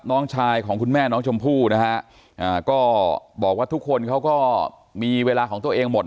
น้องชายของคุณแม่น้องชมพู่นะฮะอ่าก็บอกว่าทุกคนเขาก็มีเวลาของตัวเองหมด